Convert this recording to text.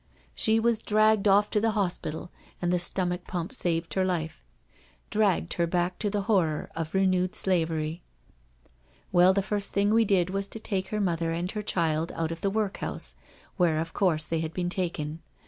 She was dragged off to a hospital, and the stomach pump saved her life— dragged her back to the horror of renewed slavery. Well, the first thing we did was to take her mother and her child out of the workhouse, where of course they had been taken.